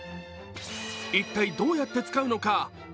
一体どうやって使うのか。